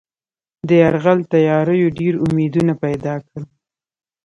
د یرغل تیاریو ډېر امیدونه پیدا کړل.